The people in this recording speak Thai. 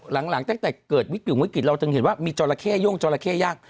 หลังจากเกิดวิกฤตวิกฤตเราจึงเห็นว่ามีจราเข้ย่งจราเข้ย่าง